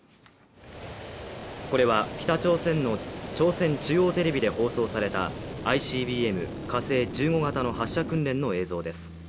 これは北朝鮮の朝鮮中央テレビで放送されたＩＣＢＭ、火星１５型の発射訓練の映像です。